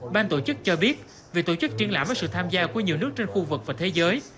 ban tổ chức cho biết việc tổ chức triển lãm với sự tham gia của nhiều nước trên khu vực và thế giới